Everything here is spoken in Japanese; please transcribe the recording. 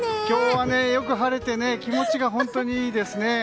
今日はよく晴れて気持ちが本当にいいですね。